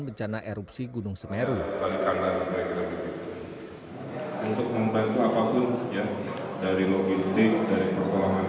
bencana erupsi gunung semeru untuk membantu apapun yang dari logistik dari perkembangan